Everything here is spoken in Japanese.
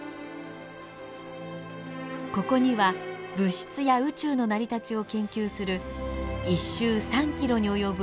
ここには物質や宇宙の成り立ちを研究する１周３キロに及ぶ巨大な実験装置があります。